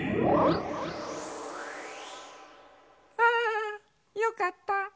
あよかった。